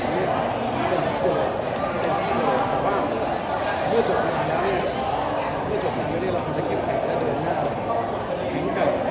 เขาจะทำอะไรกันเขาคิดว่าตีใหม่เขาเข้าใจชีวิตมากกว่าน่ะ